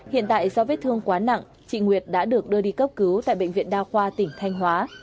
hiện tại do vết thương quá nặng chị nguyệt đã được đưa đi cấp cứu tại bệnh viện đa khoa tỉnh thanh hóa